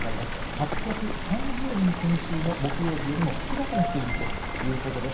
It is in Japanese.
８３０人、先週の木曜日よりも少なくなっているということです。